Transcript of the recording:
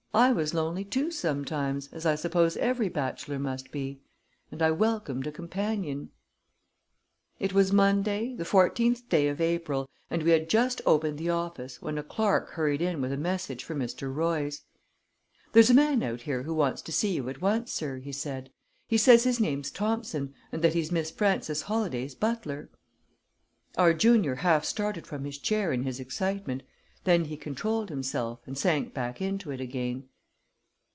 I was lonely, too, sometimes, as I suppose every bachelor must be; and I welcomed a companion. It was Monday, the fourteenth day of April, and we had just opened the office, when a clerk hurried in with a message for Mr. Royce. "There's a man out here who wants to see you at once, sir," he said. "He says his name's Thompson, and that he's Miss Frances Holladay's butler." Our junior half started from his chair in his excitement; then he controlled himself, and sank back into it again.